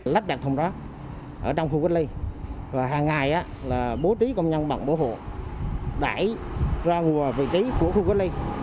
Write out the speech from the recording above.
lắp đặt thùng rác ở trong khu quốc lý và hàng ngày bố trí công nhân bằng bộ hộ đẩy ra nguồn vị trí của khu quốc lý